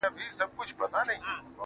• ښايستو کي خيالوري پيدا کيږي.